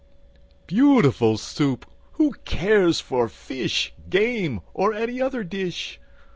Beautiful Soup! Who cares for fish, Game, or any other dish?